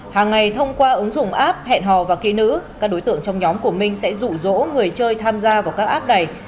hàng ngày thông qua ứng dụng app hẹn hò và ký nữ các đối tượng trong nhóm của minh sẽ rủ rỗ người chơi tham gia